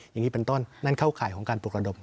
อย่างนี้เป็นต้นนั่นเข้าข่ายของการปลุกระดม